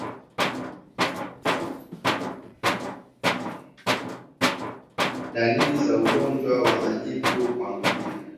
Dalili za ugonjwa wa majipu kwa ngamia